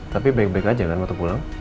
tapi baik baik aja kan waktu pulang